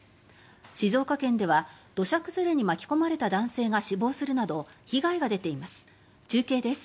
静岡県では土砂崩れに巻き込まれた男性が死亡するなど被害が出ています。